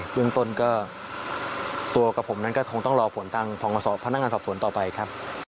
เรื่องต้นก็ตัวกับผมนั้นก็คงต้องรอผลทางพนักงานสอบสวนต่อไปครับ